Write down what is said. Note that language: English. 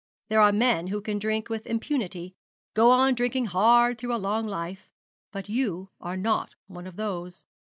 There are men who can drink with impunity go on drinking hard through a long life; but you are not one of those.